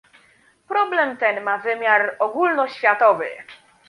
Problem ten ma wymiar ogólnoświatowy